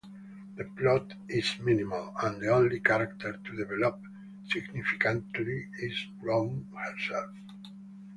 The plot is minimal, and the only "character" to develop significantly is Rome herself.